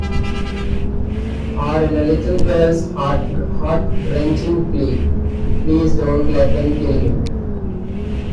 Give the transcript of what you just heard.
Or in a little girl's heartwrenching plea, 'Please don't let them kill me.